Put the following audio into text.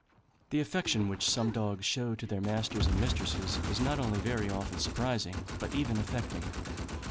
The affection which some dogs show to their masters and mistresses is not only very often surprising, but even affecting.